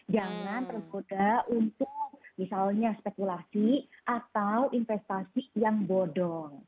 jangan tergoda untuk misalnya spekulasi atau investasi yang bodong